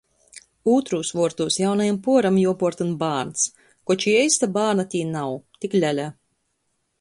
Ūtrūs vuortūs jaunajam puoram juopuortyn bārns, koč i eista bārna tī nav, tik lele.